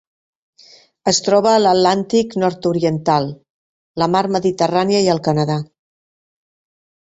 Es troba a l'Atlàntic nord-oriental, la Mar Mediterrània i el Canadà.